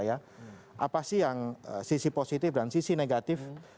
apa sih yang sisi positif dan sisi negatif